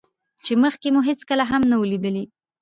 چې مخکې مو هېڅکله هم نه وو ليدلى.